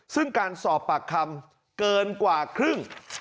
ซึ่งการสอบปากคำเกินกว่าครึ่ง